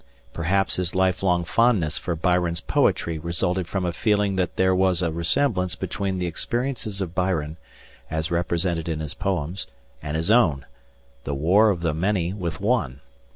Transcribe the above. Perhaps his lifelong fondness for Byron's poetry resulted from a feeling that there was a resemblance between the experiences of Byron, as represented in his poems, and his own the "war of the many with one."